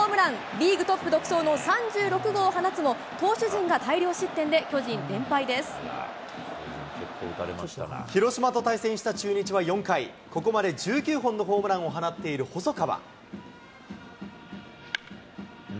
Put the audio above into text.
リーグトップ独走の３６号を放つも、広島と対戦した中日は４回、ここまで１９本のホームランを放っている細川。